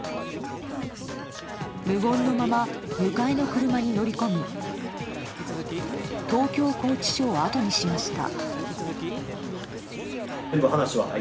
無言のまま迎えの車に乗り込み東京拘置所をあとにしました。